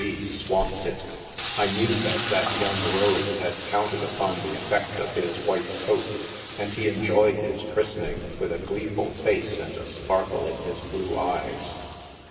G. swamped it. I knew that that young rogue had counted upon the effect of his white coat, and he enjoyed his christening with a gleeful face and a sparkle in his blue eyes.